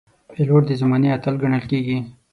پیلوټ د زمانې اتل ګڼل کېږي.